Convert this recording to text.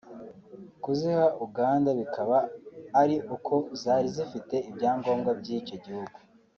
kuziha Uganda bikaba ari uko zari zifite ibyangombwa by’icyo gihugu